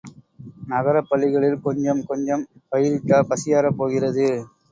நகரப் பள்ளிகளில் கொஞ்சம் கொஞ்சம் பயிரிட்டா பசியாறப் போகிறது?